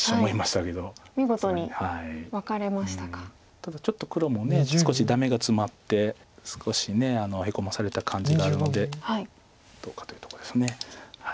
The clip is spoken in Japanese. ただちょっと黒も少しダメがツマって少しヘコまされた感じがあるのでどうかというとこです。